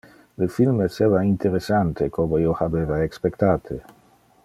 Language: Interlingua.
Le film esseva interessante, como io habeva expectate.